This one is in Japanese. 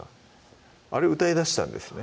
あれ歌いだしたんですね